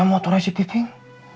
lihat aja motornya si piping